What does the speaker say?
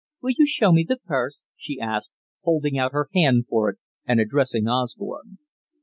"Will you show me the purse?" she asked, holding out her hand for it and addressing Osborne.